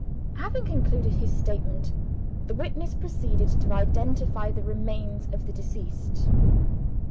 Having concluded his statement the witness proceeded to identify the remains of the deceased.